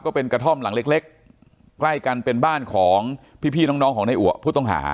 เป็นกระท่อมหลังเล็กใกล้กันเป็นบ้านของพี่น้องของนายอัวผู้ต้องหา